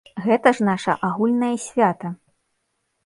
Гэта ж нашае агульнае свята!